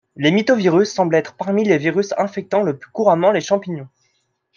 Les mitovirus semblent être parmi les virus infectant le plus couramment les champignons.